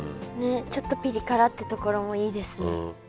ちょっとピリ辛ってところもいいですね。